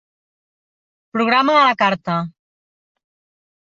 Programa a la carta.